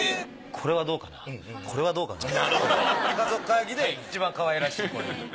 これはどうかな？っていって家族会議で一番かわいらしいこれに。